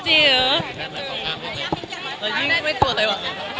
รายีไม่ตัวใครหวะ